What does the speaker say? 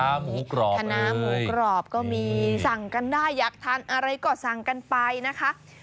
คณะหมูกรอบก็มีสั่งกันได้อยากทานอะไรก็สั่งกันไปนะคะหมูกรอบเอ้ย